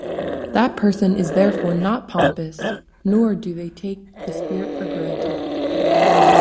That person is therefore not pompous, nor do they take The Spirit for granted.